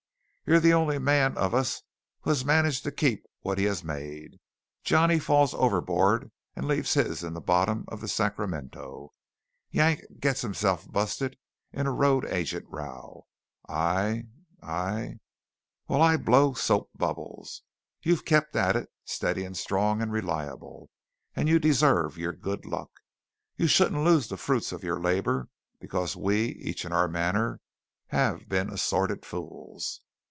You're the only man of us who has managed to keep what he has made. Johnny falls overboard and leaves his in the bottom of the Sacramento; Yank gets himself busted in a road agent row; I I well, I blow soap bubbles! You've kept at it, steady and strong and reliable, and you deserve your good luck. You shouldn't lose the fruits of your labour because we, each in our manner, have been assorted fools."